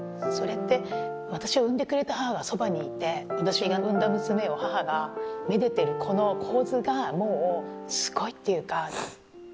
それって私を生んでくれた母がそばにいて私が生んだ娘を母が愛でてるこの構図がもうすごいっていうか。